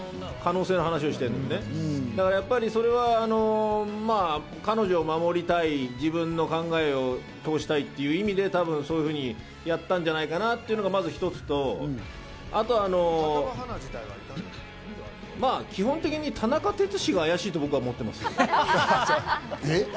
可能性の話をしてるのに、やっぱりそれは彼女を守りたい自分の考えを通したいっていう意味で、そういうふうにやったんじゃないのかなっていうのがまず一つと、あとは、基本的に田中哲司が怪しいと思ってます。